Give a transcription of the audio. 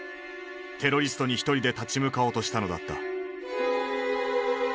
テロリストに一人で立ち向かおうとしたのだった。